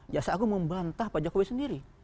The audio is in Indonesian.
jaksa agung membantah pak jokowi sendiri